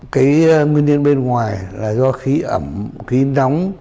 cái nguyên nhân bên ngoài là do khí ẩm khí nóng